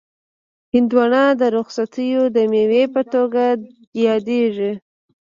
هندوانه د رخصتیو د مېوې په توګه یادیږي.